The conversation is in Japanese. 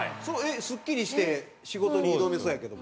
スッキリして仕事に挑めそうやけど。